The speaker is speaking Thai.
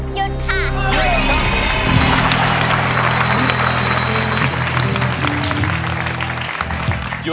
หยุดค่ะ